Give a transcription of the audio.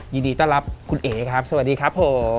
ยินดีต้อนรับคุณเอ๋ครับสวัสดีครับผม